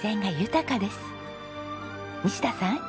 西田さん